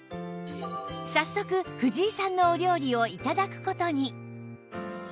早速藤井さんのお料理を頂く事に